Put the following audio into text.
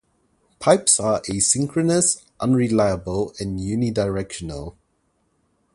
Pipes are asynchronous, unreliable, and unidirectional.